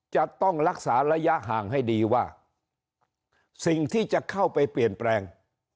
จะต้องรักษาระยะห่างให้ดีว่าสิ่งที่จะเข้าไปเปลี่ยนแปลง